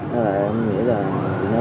nên là em nghĩ là